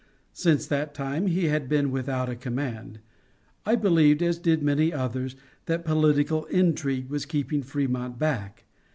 Since that time he had been without a command. I believed, as did many others, that political intrigue was keeping Frémont back.